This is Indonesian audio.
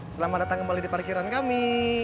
selamat datang kembali di parkiran kami